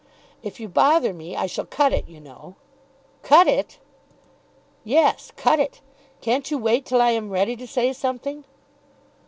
"If you bother me I shall cut it, you know." "Cut it!" "Yes; cut it. Can't you wait till I am ready to say something?"